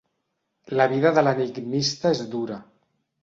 La vida de l'enigmista és dura.